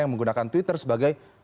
yang menggunakan twitter sebagai